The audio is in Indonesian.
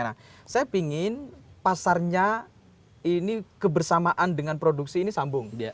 nah saya ingin pasarnya ini kebersamaan dengan produksi ini sambung